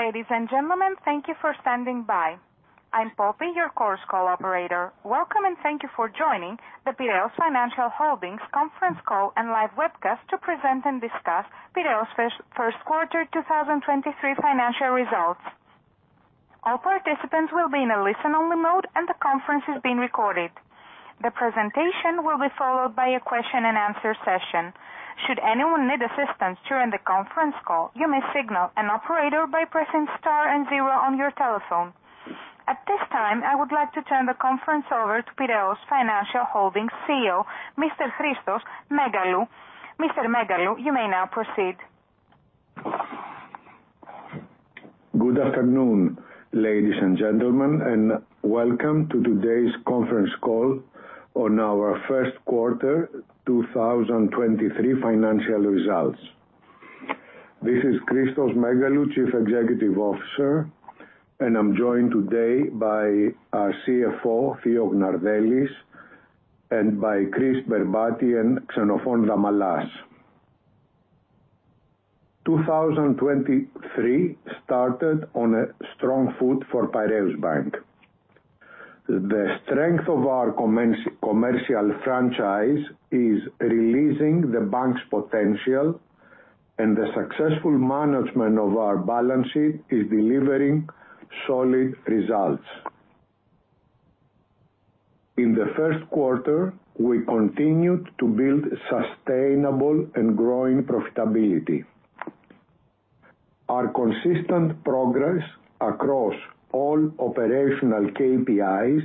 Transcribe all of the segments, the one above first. Ladies and gentlemen, thank you for standing by. I'm Poppy, your course call operator. Welcome, and thank you for joining the Piraeus Financial Holdings conference call and live webcast to present and discuss Piraeus first quarter 2023 financial results. All participants will be in a listen-only mode, and the conference is being recorded. The presentation will be followed by a question-and-answer session. Should anyone need assistance during the conference call, you may signal an operator by pressing star and zero on your telephone. At this time, I would like to turn the conference over to Piraeus Financial Holdings CEO, Mr. Christos Megalou. Mr. Megalou, you may now proceed. Good afternoon, ladies and gentlemen. Welcome to today's conference call on our Q1 2023 financial results. This is Christos Megalou, Chief Executive Officer. I'm joined today by our CFO, Theo Gnardellis, and by Chris Berbati and Xenofon Damalas. 2023 started on a strong foot for Piraeus Bank. The strength of our commercial franchise is releasing the bank's potential, and the successful management of our balance sheet is delivering solid results. In the Q1, we continued to build sustainable and growing profitability. Our consistent progress across all operational KPIs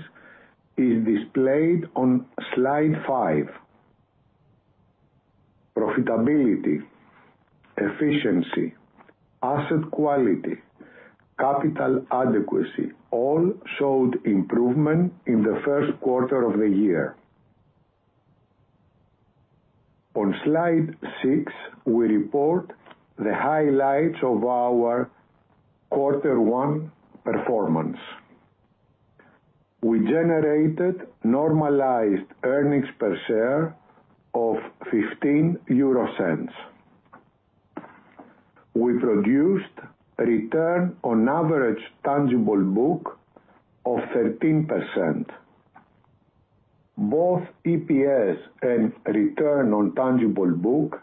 is displayed on slide five. Profitability, efficiency, asset quality, capital adequacy, all showed improvement in the Q1 of the year. On slide six, we report the highlights of our Q1 performance. We generated normalized earnings per share of 0.15. We produced return on average tangible book of 13%. Both EPS and return on tangible book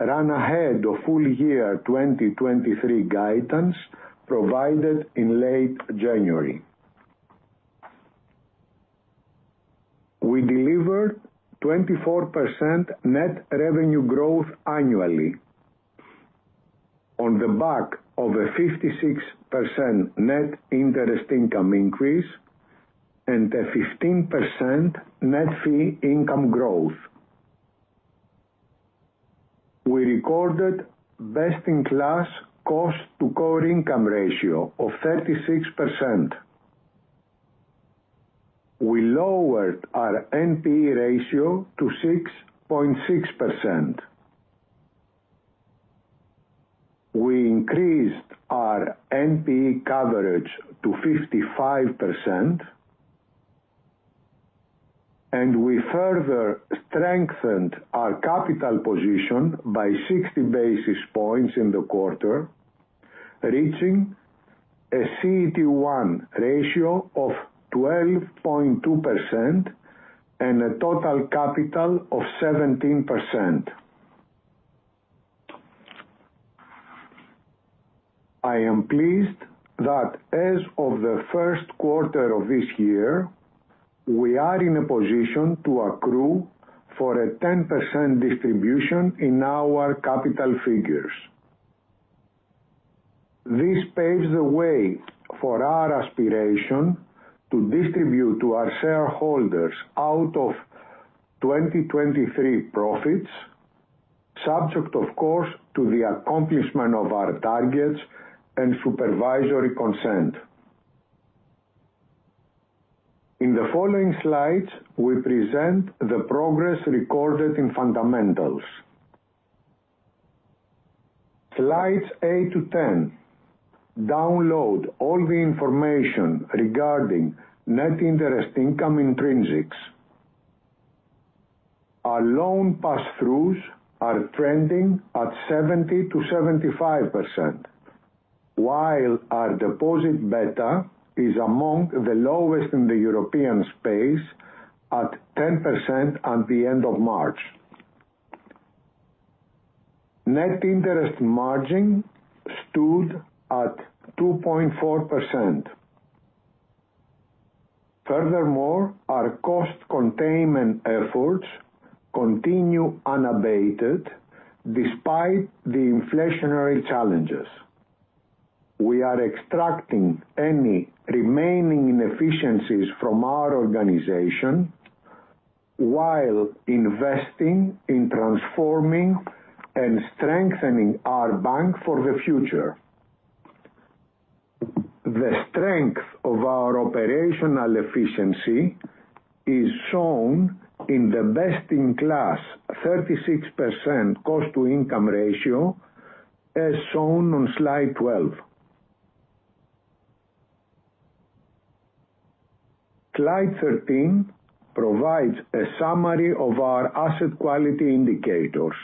ran ahead of full year 2023 guidance provided in late January. We delivered 24% net revenue growth annually. On the back of a 56% net interest income increase and a 15% net fee income growth. We recorded best-in-class cost-to-core income ratio of 36%. We lowered our NPE ratio to 6.6%. We increased our NPE coverage to 55%. We further strengthened our capital position by 60 basis points in the quarter, reaching a CET1 ratio of 12.2% and a total capital of 17%. I am pleased that as of the first quarter of this year, we are in a position to accrue for a 10% distribution in our capital figures. This paves the way for our aspiration to distribute to our shareholders out of 2023 profits, subject of course, to the accomplishment of our targets and supervisory consent. In the following slides, we present the progress recorded in fundamentals. Slides 8 to 10 download all the information regarding net interest income intrinsics. Our loan pass-throughs are trending at 70%-75%, while our deposit beta is among the lowest in the European space at 10% at the end of March. Net interest margin stood at 2.4%. Furthermore, our cost containment efforts continue unabated despite the inflationary challenges. We are extracting any remaining inefficiencies from our organization while investing in transforming and strengthening our bank for the future. The strength of our operational efficiency is shown in the best-in-class 36% cost to income ratio, as shown on slide 12. Slide 13 provides a summary of our asset quality indicators.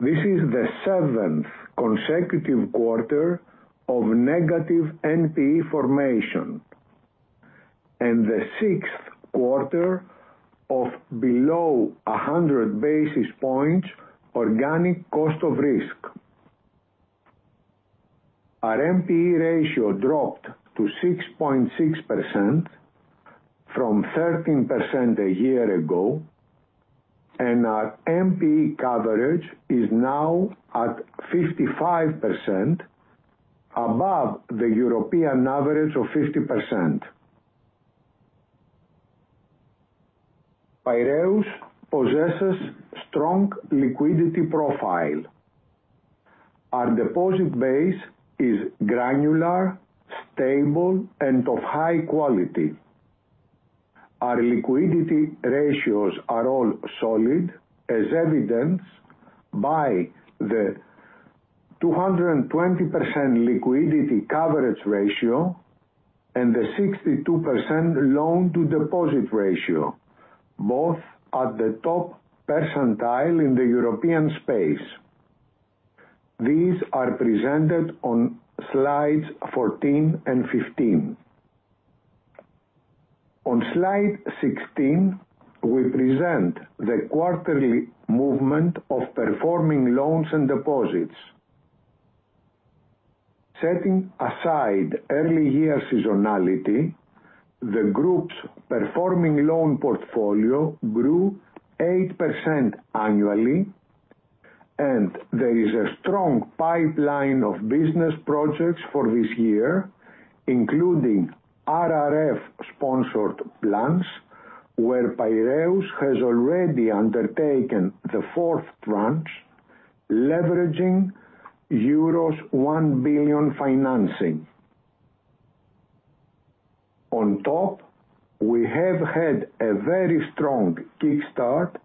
This is the seventh consecutive quarter of negative NPE formation and the sixth quarter of below 100 basis points organic cost of risk. Our NPE ratio dropped to 6.6% from 13% a year ago, and our NPE coverage is now at 55%, above the European average of 50%. Piraeus possesses strong liquidity profile. Our deposit base is granular, stable, and of high quality. Our liquidity ratios are all solid, as evidenced by the 220% Liquidity Coverage Ratio and the 62% loan-to-deposit ratio, both at the top percentile in the European space. These are presented on slides 14 and 15. On slide 16, we present the quarterly movement of performing loans and deposits. Setting aside early year seasonality, the group's performing loan portfolio grew 8% annually, and there is a strong pipeline of business projects for this year, including RRF-sponsored plans, where Piraeus has already undertaken the fourth tranche, leveraging EUR 1 billion financing. On top, we have had a very strong kickstart in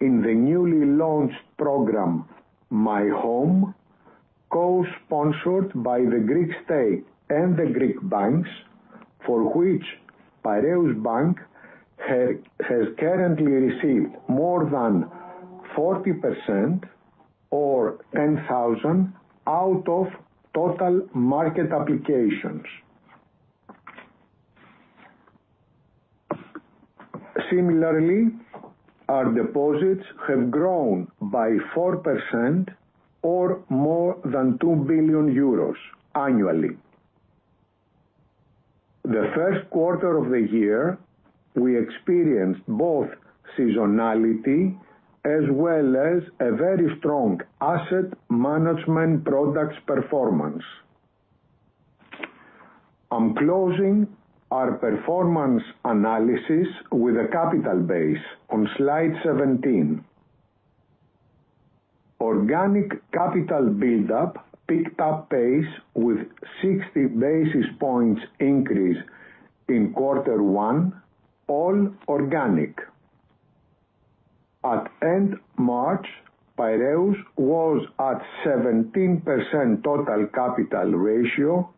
the newly launched program, My Home, co-sponsored by the Greek state and the Greek banks, for which Piraeus Bank has currently received more than 40% or 10,000 out of total market applications. Similarly, our deposits have grown by 4% or more than 2 billion euros annually. The first quarter of the year, we experienced both seasonality as well as a very strong asset management products performance. I'm closing our performance analysis with a capital base on slide 17. Organic capital buildup picked up pace with 60 basis points increase in quarter one, all organic. At end March, Piraeus was at 17% total capital ratio,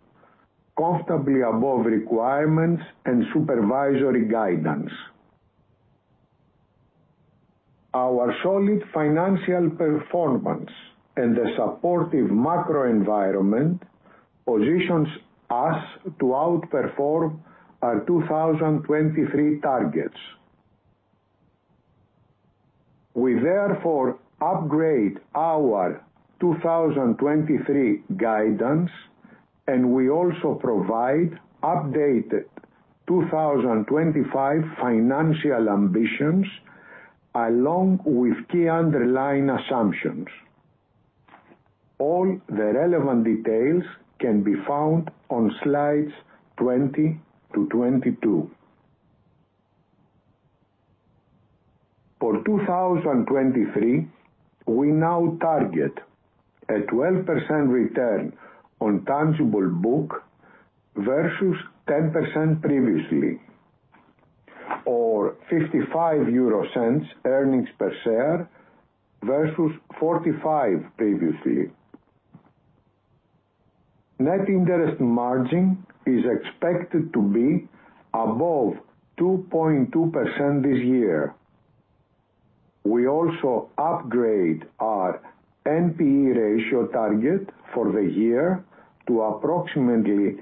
comfortably above requirements and supervisory guidance. Our solid financial performance and the supportive macro environment positions us to outperform our 2023 targets. We therefore upgrade our 2023 guidance, and we also provide updated 2025 financial ambitions along with key underlying assumptions. All the relevant details can be found on slides 20-22. For 2023, we now target a 12% return on tangible book versus 10% previously, or 0.55 earnings per share versus 0.45 previously. Net interest margin is expected to be above 2.2% this year. We also upgrade our NPE ratio target for the year to approximately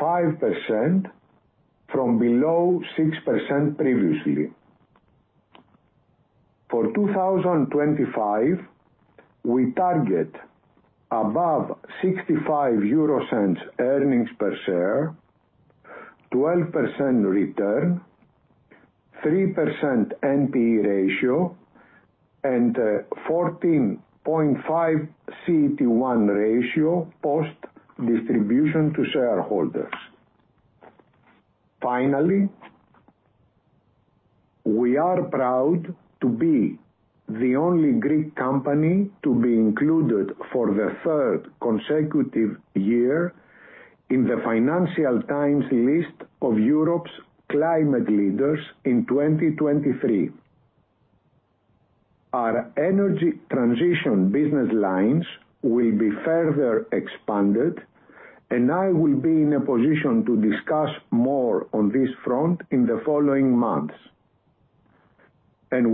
5% from below 6% previously. For 2025, we target above 0.65 earnings per share, 12% return, 3% NPE ratio, and 14.5 CET1 ratio post distribution to shareholders. Finally, we are proud to be the only Greek company to be included for the third consecutive year in the Financial Times list of Europe's Climate Leaders in 2023. Our energy transition business lines will be further expanded, and I will be in a position to discuss more on this front in the following months.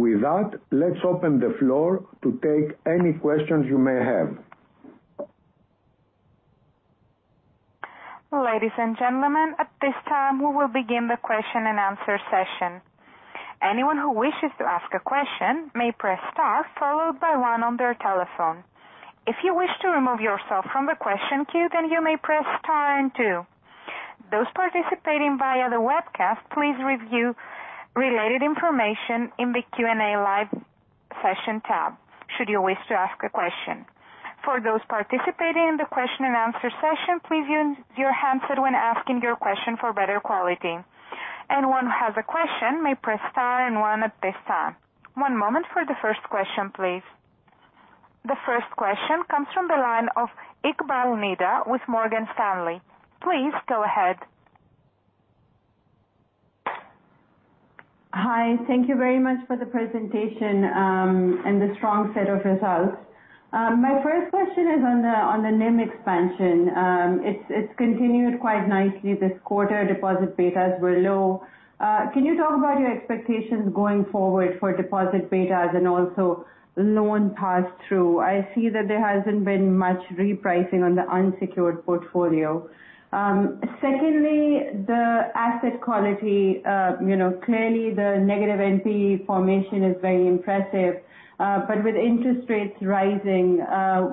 With that, let's open the floor to take any questions you may have. Ladies and gentlemen, at this time, we will begin the question and answer session. Anyone who wishes to ask a question may press star followed by one on their telephone. If you wish to remove yourself from the question queue, then you may press star and two. Those participating via the webcast, please review related information in the Q&A live session tab should you wish to ask a question. For those participating in the question and answer session, please use your handset when asking your question for better quality. Anyone who has a question may press star and one at this time. One moment for the first question, please. The first question comes from the line of Iqbal Khan with Morgan Stanley. Please go ahead. Hi. Thank you very much for the presentation and the strong set of results. My first question is on the NIM expansion. It's continued quite nicely this quarter. Deposit betas were low. Can you talk about your expectations going forward for deposit betas and also loan pass-through? I see that there hasn't been much repricing on the unsecured portfolio. Secondly, the asset quality, you know, clearly the negative NPE formation is very impressive. With interest rates rising,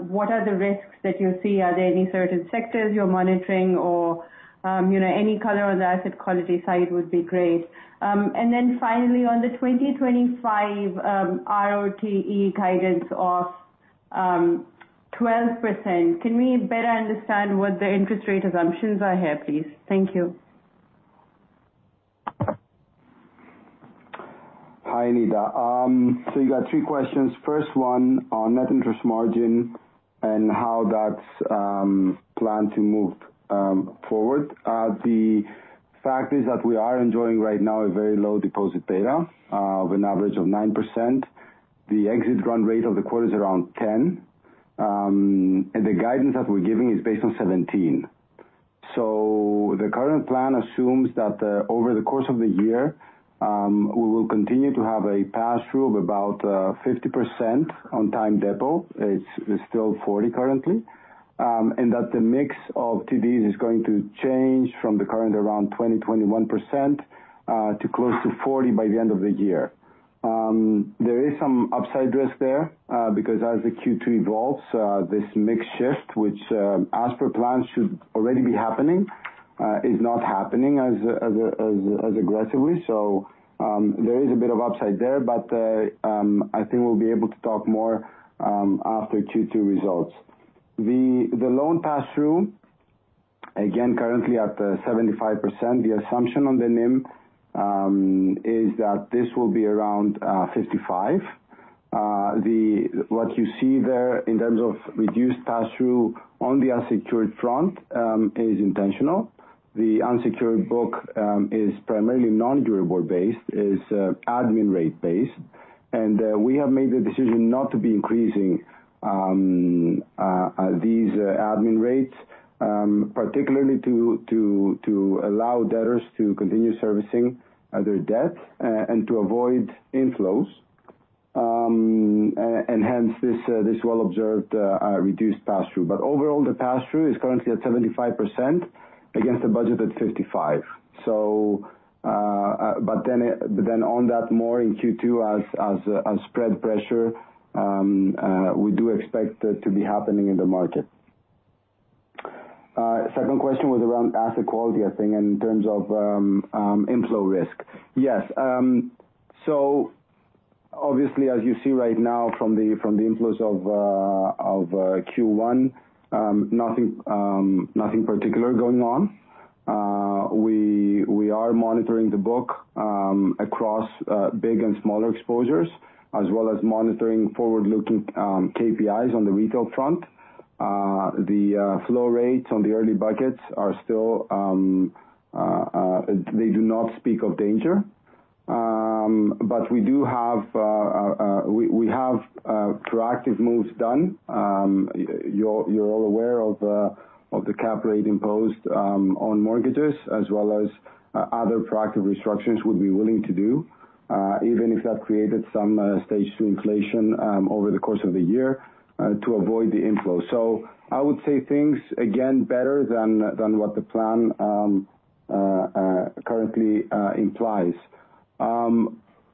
what are the risks that you see? Are there any certain sectors you're monitoring or, you know, any color on the asset quality side would be great. Finally on the 2025 ROTE guidance of 12%, can we better understand what the interest rate assumptions are here, please? Thank you. Hi, Nida. You got three questions. First one on net interest margin and how that's planned to move forward. The fact is that we are enjoying right now a very low deposit beta of an average of 9%. The exit run rate of the quarter is around 10, and the guidance that we're giving is based on 17. The current plan assumes that over the course of the year, we will continue to have a pass-through of about 50% on time depot. It's still 40 currently. That the mix of TDs is going to change from the current around 20%-21% to close to 40 by the end of the year. There is some upside risk there because as the Q2 evolves, this mix shift, which as per plan should already be happening, is not happening as aggressively. There is a bit of upside there, but I think we'll be able to talk more after Q2 results. The loan pass-through, again currently at 75%, the assumption on the NIM is that this will be around 55%. What you see there in terms of reduced pass-through on the unsecured front is intentional. The unsecured book is primarily non-durable based, is administered rate based. We have made the decision not to be increasing these admin rates particularly to allow debtors to continue servicing their debt and to avoid inflows. Hence this well observed reduced pass-through. Overall, the pass-through is currently at 75% against a budget at 55. On that more in Q2 as spread pressure, we do expect it to be happening in the market. Second question was around asset quality, I think, in terms of inflow risk. Yes. Obviously, as you see right now from the inflows of Q1, nothing particular going on. We are monitoring the book across big and smaller exposures, as well as monitoring forward-looking KPIs on the retail front. The flow rates on the early buckets are still... They do not speak of danger. We do have proactive moves done. You're all aware of the cap rate imposed on mortgages as well as other proactive restructurings we'll be willing to do, even if that created some Stage two inflation over the course of the year to avoid the inflow. I would say things again better than what the plan currently implies.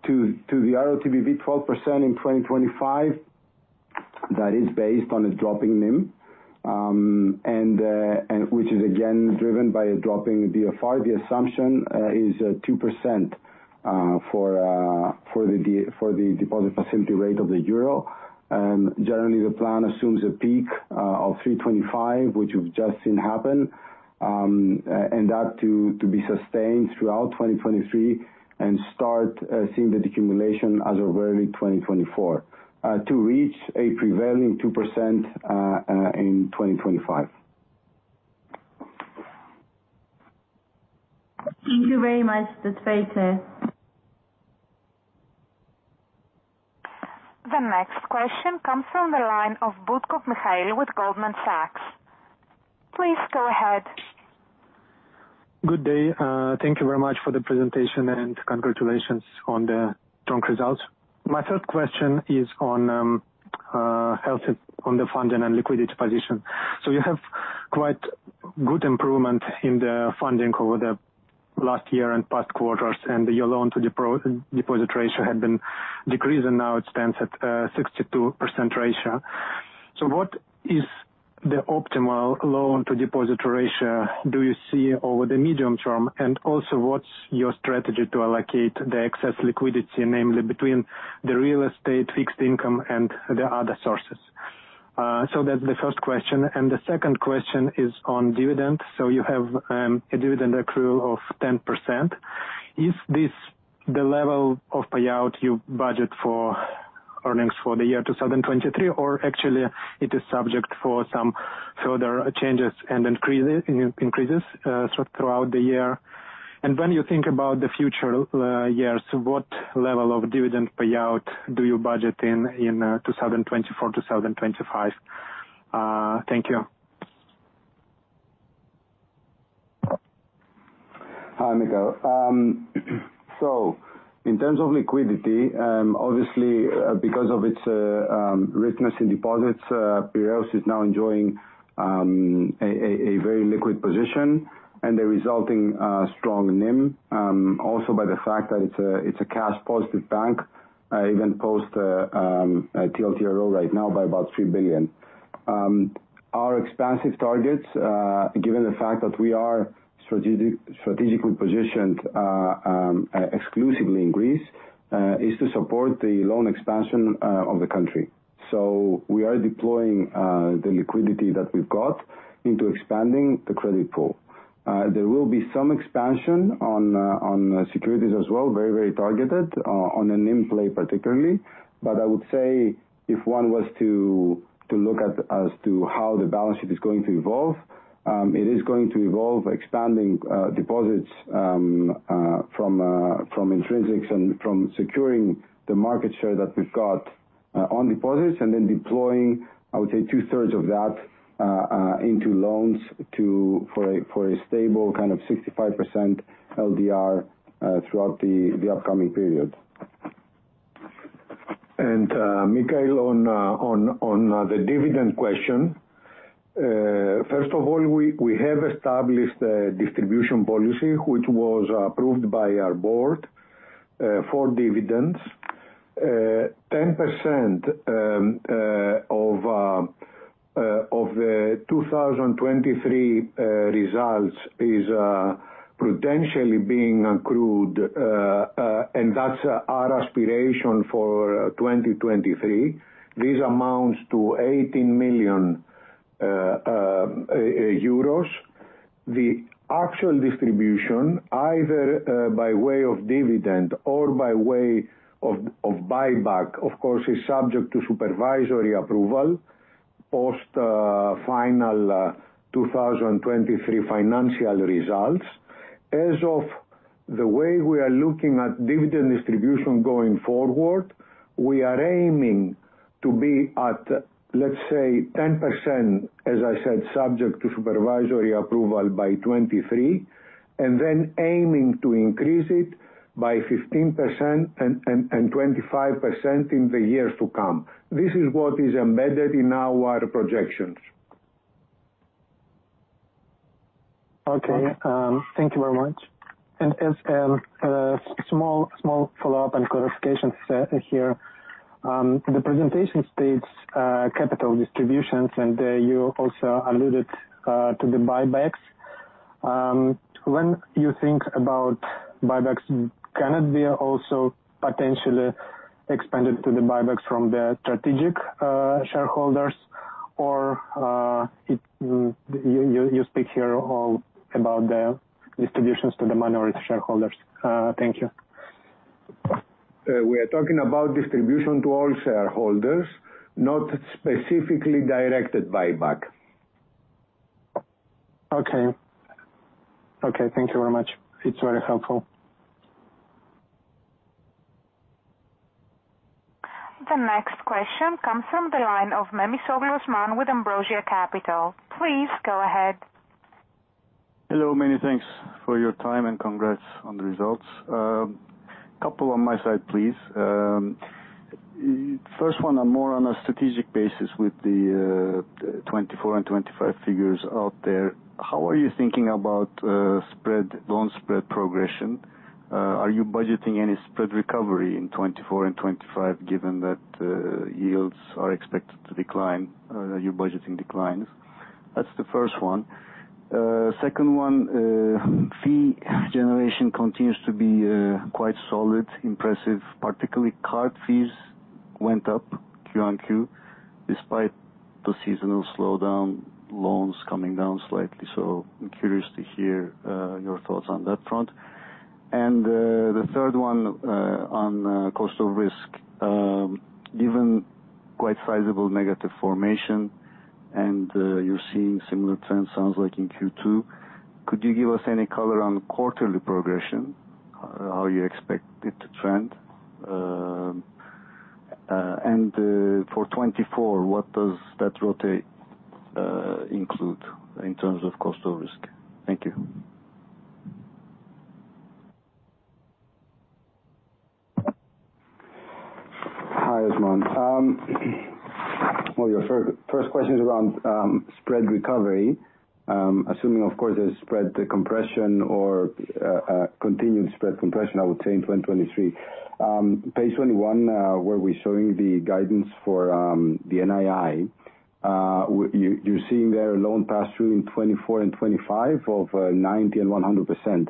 To the ROTBV 12% in 2025, that is based on a dropping NIM, and which is again driven by a dropping DFR. The assumption is 2% for the deposit facility rate of the euro. Generally, the plan assumes a peak of 3.25%, which we've just seen happen, and that to be sustained throughout 2023 and start seeing the deaccumulation as of early 2024, to reach a prevailing 2% in 2025. Thank you very much. That's very clear. The next question comes from the line of Mikhail Butkov with Goldman Sachs. Please go ahead. Good day. Thank you very much for the presentation, and congratulations on the strong results. My third question is on health on the funding and liquidity position. You have quite good improvement in the funding over the last year and past quarters, and your loan-to-deposit ratio had been decreasing. Now it stands at 62% ratio. What is the optimal loan-to-deposit ratio do you see over the medium term? Also what's your strategy to allocate the excess liquidity, namely between the real estate fixed income and the other sources? That's the first question. The second question is on dividends. You have a dividend accrual of 10%. Is this the level of payout you budget for earnings for the year 2023, or actually it is subject for some further changes and increases, so throughout the year? When you think about the future years, what level of dividend payout do you budget in 2024, 2025? Thank you. Hi, Mikhail. In terms of liquidity, obviously, because of its richness in deposits, Piraeus is now enjoying a very liquid position and the resulting strong NIM, also by the fact that it's a cash positive bank, even post TLTRO right now by about 3 billion. Our expansive targets, given the fact that we are strategically positioned exclusively in Greece, is to support the loan expansion of the country. We are deploying the liquidity that we've got into expanding the credit pool. There will be some expansion on securities as well, very, very targeted, on an NIM play particularly. I would say if one was to look at as to how the balance sheet is going to evolve, it is going to evolve expanding deposits from intrinsics and from securing the market share that we've got on deposits and then deploying, I would say 2/3 of that into loans for a stable kind of 65% LDR throughout the upcoming period. Mikhail, on the dividend question, first of all, we have established a distribution policy, which was approved by our board for dividends. 10% of the 2023 results is potentially being accrued, and that's our aspiration for 2023. This amounts to 18 million euros. The actual distribution, either by way of dividend or by way of buyback, of course, is subject to supervisory approval post final 2023 financial results. As of the way we are looking at dividend distribution going forward, we are aiming to be at, let's say, 10%, as I said, subject to supervisory approval by 2023, and then aiming to increase it by 15% and 25% in the years to come. This is what is embedded in our projections. Okay. Thank you very much. As a small follow-up and clarification here, the presentation states capital distributions, and you also alluded to the buybacks. When you think about buybacks, can it be also potentially expanded to the buybacks from the strategic shareholders? You speak here all about the distributions to the minority shareholders. Thank you. We are talking about distribution to all shareholders, not specifically directed buyback. Okay. Okay, thank you very much. It's very helpful. The next question comes from the line of Osman Memisoglu with Ambrosia Capital. Please go ahead. Hello, many thanks for your time, and congrats on the results. Couple on my side, please. First one are more on a strategic basis with the 2024 and 2025 figures out there. How are you thinking about spread, loan spread progression? Are you budgeting any spread recovery in 2024 and 2025, given that yields are expected to decline, you're budgeting declines? That's the first one. Second one, fee generation continues to be quite solid, impressive. Particularly card fees went up Q on Q despite the seasonal slowdown, loans coming down slightly. I'm curious to hear your thoughts on that front. The third one on cost of risk, given quite sizable negative formation. You're seeing similar trends, sounds like, in Q2. Could you give us any color on quarterly progression, how you expect it to trend? For 2024, what does that ROTE include in terms of cost or risk? Thank you. Hi, Osman. Well, your first question is around spread recovery. Assuming of course there's spread compression or continued spread compression, I would say, in 2023. Page 21, where we're showing the guidance for the NII, you're seeing there a loan pass-through in 2024 and 2025 of 90% and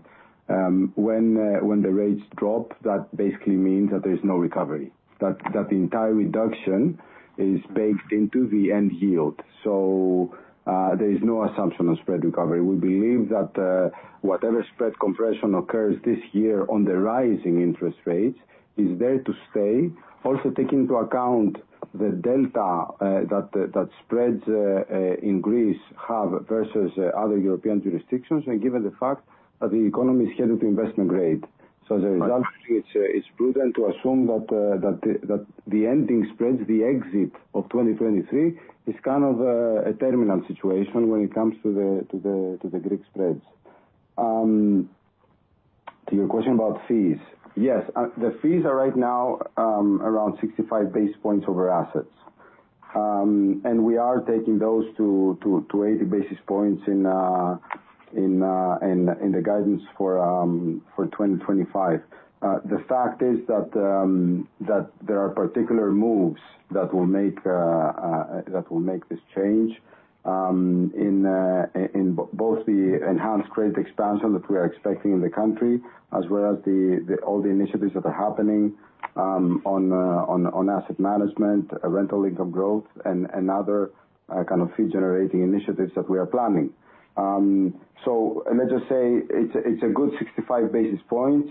100%. When the rates drop, that basically means that there's no recovery. That entire reduction is baked into the end yield. There is no assumption of spread recovery. We believe that whatever spread compression occurs this year on the rise in interest rates is there to stay. Also take into account the delta that spreads in Greece have versus other European jurisdictions, and given the fact that the economy is headed to investment grade. The assumption it's prudent to assume that the ending spreads, the exit of 2023 is kind of a terminal situation when it comes to the Greek spreads. To your question about fees. Yes, the fees are right now around 65 basis points over assets. We are taking those to 80 basis points in the guidance for 2025. The fact is that there are particular moves that will make this change in both the enhanced credit expansion that we are expecting in the country, as well as the all the initiatives that are happening on asset management, rental income growth and other kind of fee generating initiatives that we are planning. Let's just say it's a good 65 basis points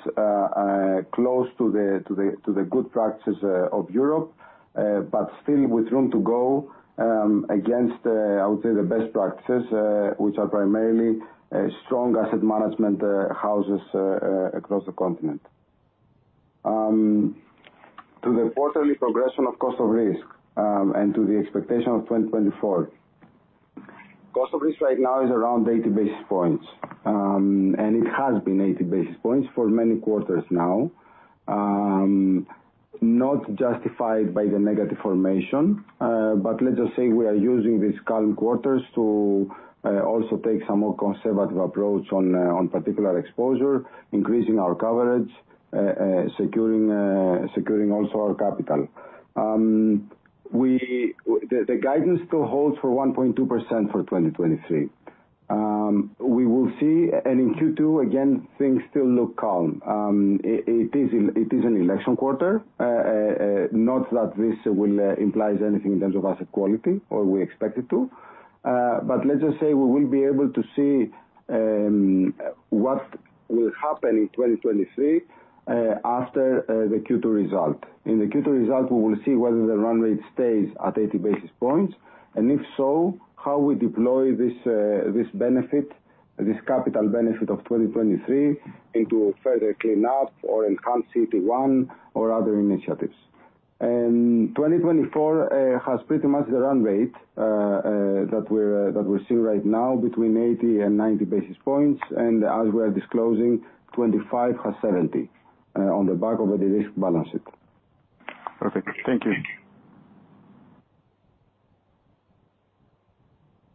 close to the good practices of Europe, but still with room to go against I would say the best practices which are primarily strong asset management houses across the continent. To the quarterly progression of cost of risk and to the expectation of 2024. Cost of risk right now is around 80 basis points, and it has been 80 basis points for many quarters now. Not justified by the negative formation, but let's just say we are using these calm quarters to also take some more conservative approach on particular exposure, increasing our coverage, securing also our capital. The guidance still holds for 1.2% for 2023. We will see. In Q2, again, things still look calm. It is an election quarter, not that this will implies anything in terms of asset quality, or we expect it to. Let's just say we will be able to see what will happen in 2023 after the Q2 result. In the Q2 result, we will see whether the run rate stays at 80 basis points, and if so, how we deploy this benefit, this capital benefit of 2023 into further clean up or enhance CETone, or other initiatives. 2024 has pretty much the run rate that we're seeing right now between 80 and 90 basis points. As we are disclosing, 25 has certainty on the back of the de-risk balance sheet. Perfect. Thank you.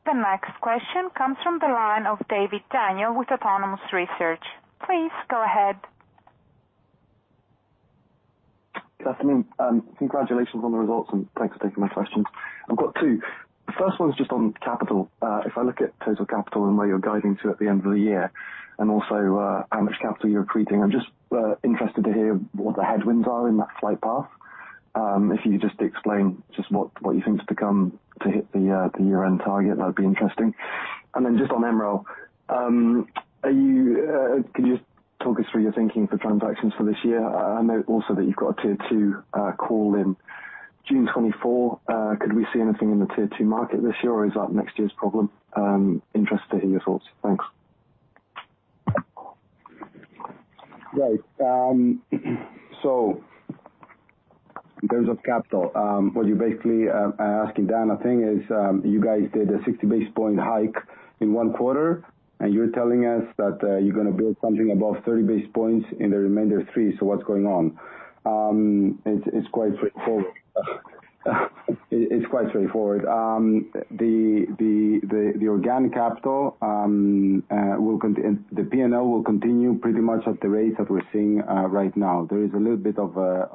The next question comes from the line of Gabor Kemeny with Autonomous Research. Please go ahead. Good afternoon, congratulations on the results, and thanks for taking my questions. I've got two. The first one's just on capital. If I look at total capital and where you're guiding to at the end of the year, and also, how much capital you're accreting, I'm just interested to hear what the headwinds are in that flight path. If you could just explain what you think is to come to hit the year-end target, that would be interesting. Just on MREL, are you, could you just talk us through your thinking for transactions for this year? I know also that you've got a Tier two call in June 2024. Could we see anything in the Tier two market this year, or is that next year's problem? Interested to hear your thoughts. Thanks. Right. In terms of capital, what you're basically asking, Dan, I think, is, you guys did a 60 basis points hike in one quarter, and you're telling us that, you're gonna build something above 30 basis points in the remainder three. What's going on? It's quite straightforward. It's quite straightforward. The organic capital, And the P&L will continue pretty much at the rate that we're seeing right now. There is a little bit of a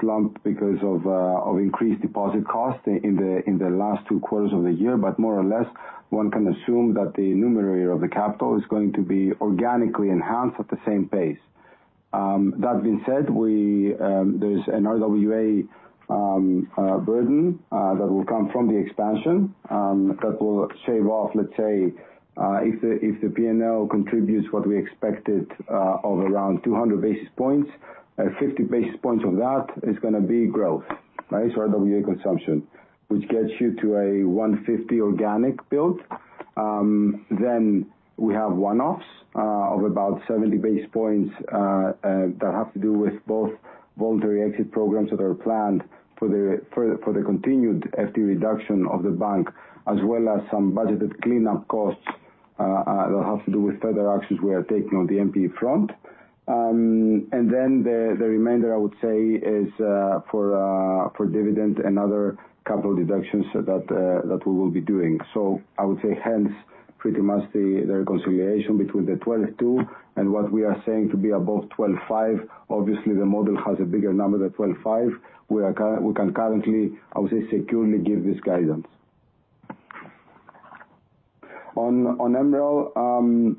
slump because of increased deposit costs in the last two quarters of the year, but more or less, one can assume that the numerator of the capital is going to be organically enhanced at the same pace. That being said, we, there's an RWA burden that will come from the expansion that will shave off, let's say, if the P&L contributes what we expected, of around 200 basis points, 50 basis points of that is gonna be growth, right? RWA consumption, which gets you to a 150 organic build. We have one-offs of about 70 basis points that have to do with both voluntary exit programs that are planned for the continued FTE reduction of the bank, as well as some budgeted cleanup costs that have to do with further actions we are taking on the NPE front. The remainder I would say is for dividend and other capital deductions that we will be doing. I would say hence pretty much the reconciliation between the 12.2% and what we are saying to be above 12.5%. Obviously the model has a bigger number than 12.5%, we can currently, I would say, securely give this guidance. On MREL,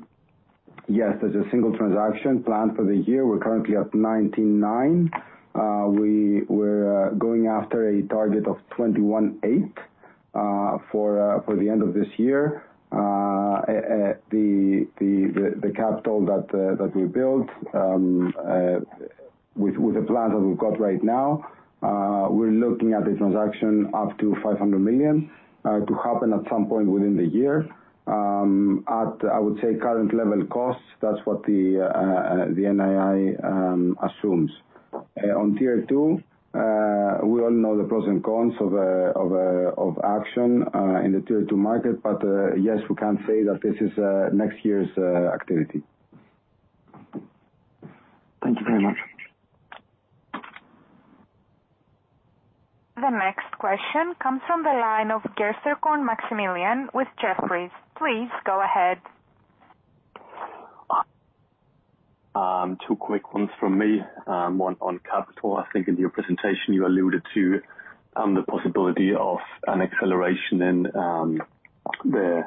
yes there's a single transaction planned for the year. We're currently at 19.9%. We were going after a target of 21.8% for the end of this year. The capital that we built with the plans that we've got right now, we're looking at a transaction up to 500 million to happen at some point within the year at, I would say current level costs. That's what the NII assumes. On Tier two, we all know the pros and cons of action in the Tier two market, but yes, we can say that this is next year's activity. Thank you very much. The next question comes from the line of Gerster Corn Maximilian with Jefferies. Please go ahead. Two quick ones from me. One on capital. I think in your presentation you alluded to the possibility of an acceleration in the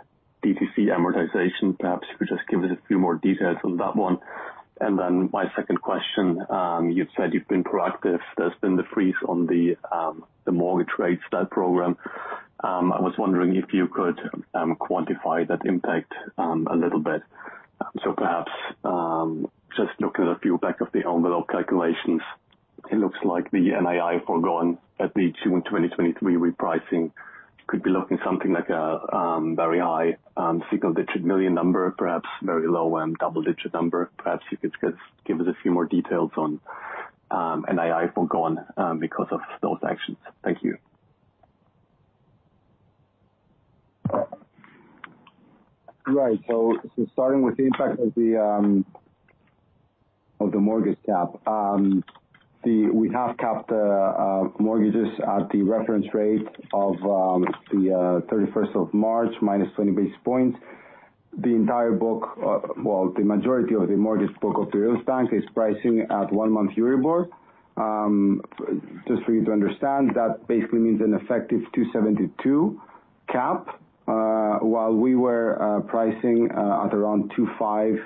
DTC amortization. Perhaps you could just give us a few more details on that one.My second question, you've said you've been proactive. There's been the freeze on the mortgage rates, that program. I was wondering if you could quantify that impact a little bit. Perhaps, just looking at a few back of the envelope calculations, it looks like the NII foregone at the June 2023 repricing could be looking something like a very high single-digit million number, perhaps very low double-digit EUR number. Perhaps you could just give us a few more details on NII foregone because of those actions. Thank you. Right. Starting with the impact of the mortgage cap, we have capped mortgages at the reference rate of the 31st of March minus 20 basis points. The entire book, well, the majority of the mortgage book of Eurobank is pricing at one-month Euribor. Just for you to understand, that basically means an effective 2.72 cap, while we were pricing at around 2.05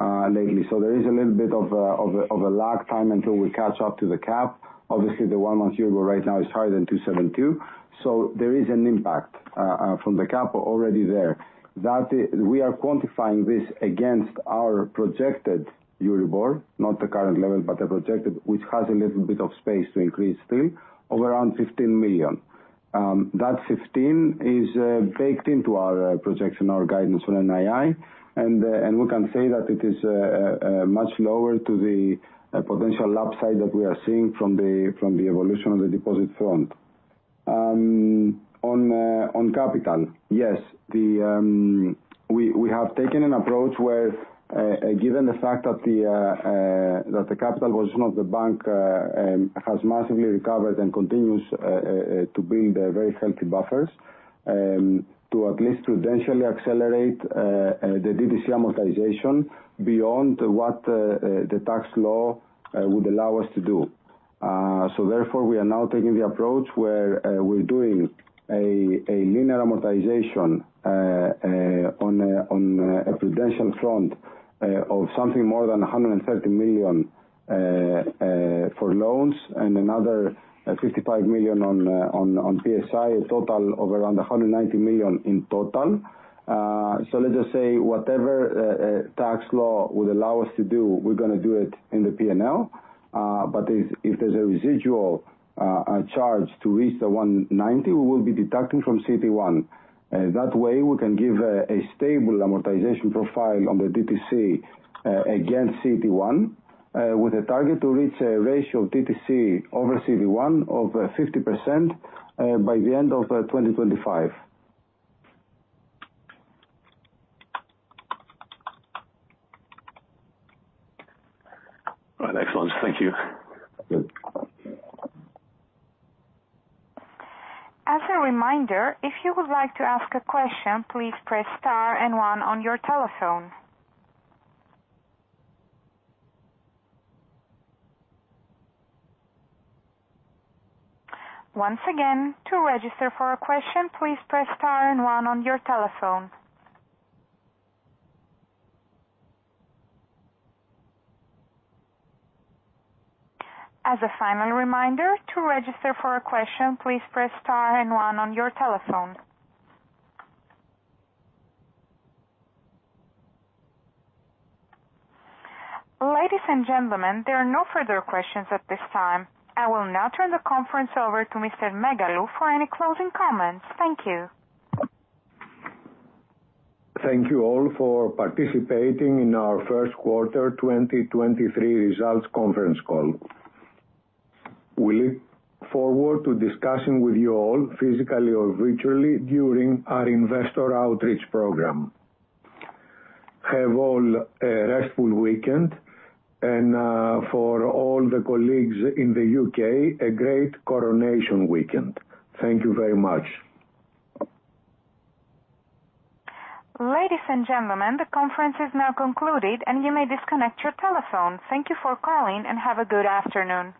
lately. There is a little bit of a lag time until we catch up to the cap. Obviously the one-month Euribor right now is higher than 2.72, so there is an impact from the cap already there. That is, we are quantifying this against our projected Euribor, not the current level, but the projected, which has a little bit of space to increase still of around 15 million. That 15 is baked into our projection, our guidance on NII, and we can say that it is much lower to the potential upside that we are seeing from the evolution on the deposit front. On capital, yes, we have taken an approach where given the fact that the capital has massively recovered and continues to build very healthy buffers, to at least prudentially accelerate the DTC amortization beyond what the tax law would allow us to do. Therefore we are now taking the approach where we're doing a linear amortization on a prudential front of something more than 130 million for loans and another 55 million on PSI, a total of around 190 million in total. Let's just say whatever tax law would allow us to do, we're gonna do it in the P&L. If there's a residual charge to reach the 190, we will be deducting from CET1. That way we can give a stable amortization profile on the DTC against CET1 with a target to reach a ratio of DTC over CET1 of 50% by the end of 2025. All right. Excellent. Thank you. Good. As a reminder, if you would like to ask a question, please press star and one on your telephone. Once again, to register for a question, please press star and one on your telephone. As a final reminder, to register for a question, please press star and one on your telephone. Ladies and gentlemen, there are no further questions at this time. I will now turn the conference over to Mr. Megalou for any closing comments. Thank you. Thank you all for participating in our first quarter 2023 results conference call. We look forward to discussing with you all physically or virtually during our investor outreach program. Have all a restful weekend and, for all the colleagues in the U.K., a great coronation weekend. Thank you very much. Ladies and gentlemen, the conference is now concluded and you may disconnect your telephone. Thank you for calling and have a good afternoon.